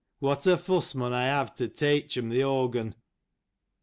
What a fuss mun aw have to teytch um tho again